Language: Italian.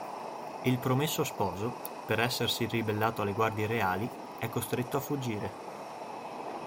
Il promesso sposo per essersi ribellato alle guardie reali, è costretto a fuggire.